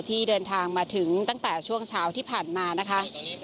ที่เดินทางมาถึงตั้งแต่ช่วงเช้าที่ผ่านมานะคะ